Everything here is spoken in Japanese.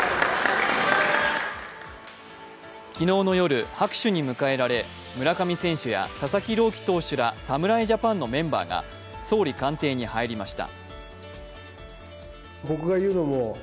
昨日の夜、拍手に迎えられ村上選手や佐々木朗希投手ら侍ジャパンのメンバーが総理官邸に入りました。